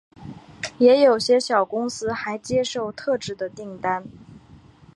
也有些小公司还接受特制的订单。